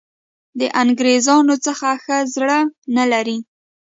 د انګرېزانو څخه ښه زړه نه لري.